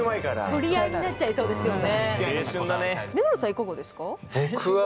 取り合いになっちゃいそうですよね。